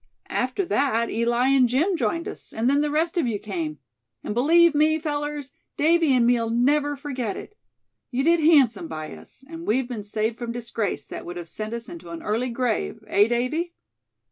After that Eli and Jim joined us, and then the rest of you came. And believe me, fellers, Davy and me'll never forget it. You did handsome by us, and we've been saved from disgrace that would have sent us into an early grave, hey, Davy?"